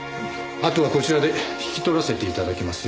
あとはこちらで引き取らせて頂きますよ